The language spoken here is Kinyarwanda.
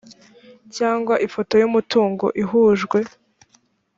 cyangwa ifoto y umutungo ihujwe